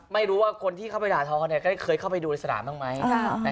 ไม่รู้ว่าคนที่เข้าไปด่าท้อนักกีฬาเคยเข้าไปดูศาลบ้างไหม